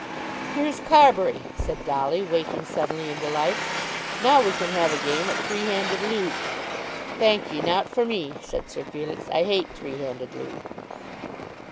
"Here's Carbury," said Dolly, waking suddenly into life. "Now we can have a game at three handed loo." "Thank ye; not for me," said Sir Felix. "I hate three handed loo."